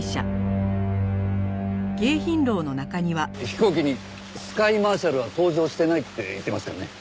飛行機にスカイマーシャルは搭乗してないって言ってましたよね？